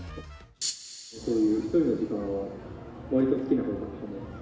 そういう１人の時間は、わりと好きなほうだと思います。